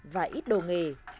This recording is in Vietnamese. và ít đồ nghề